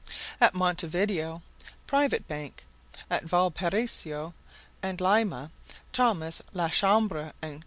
At Montevideo, Private Bank. At Valparaiso and Lima, Thomas la Chambre and Co.